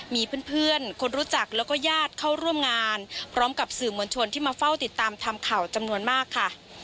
มีเพื่อนคนรู้จักแล้วก็ญาติเข้าร่วมงานพร้อมกับสื่อมวลชนที่มาเฝ้าติดตามทำข่าวจำนวนมากค่ะ